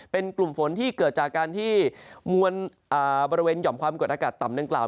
เป็นกลุ่มฝนที่เกิดจากการที่มวลบริเวณหย่อมความกดอากาศต่ำดังกล่าว